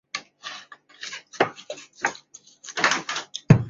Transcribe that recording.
为铁木真的母亲诃额仑养子。